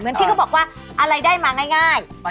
เหมือนพี่เค้าบอกว่าอะไรได้มาง่าย